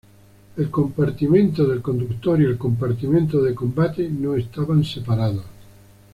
El compartimiento del conductor y el compartimiento de combate no estaban separados.